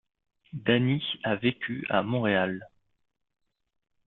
Dani a vécu à Montréal.